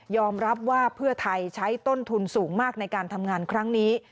รับว่าเพื่อไทยใช้ต้นทุนสูงมากในการทำงานครั้งนี้